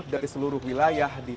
dari seluruh wilayah di